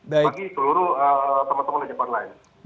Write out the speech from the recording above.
bagi seluruh teman teman ojek online